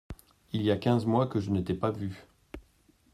Il y a quinze mois que je ne t’ai pas vu.